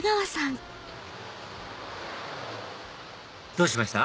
どうしました？